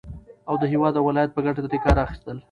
او د هېواد او ولايت په گټه ترې كار واخيستل